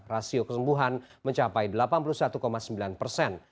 rasio kesembuhan mencapai delapan puluh satu sembilan persen